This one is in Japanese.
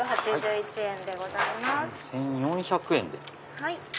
１４００円で。